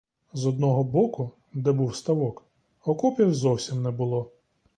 З одного боку, де був ставок, окопів зовсім не було.